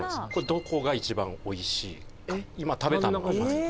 どこが一番おいしいか今食べたのがありますね